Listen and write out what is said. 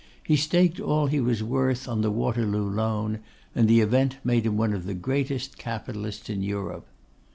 He staked all he was worth on the Waterloo loan; and the event made him one of the greatest capitalists in Europe.